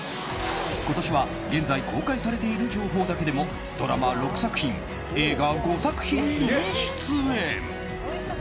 今年は、現在公開されている情報だけでもドラマ６作品、映画５作品に出演。